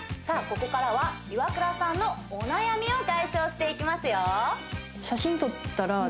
さあここからはイワクラさんのお悩みを解消していきますよ